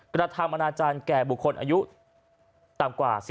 กระทามอนาจารย์แก่บุคคลอายุทำกว่า๑๕ปีนะครับ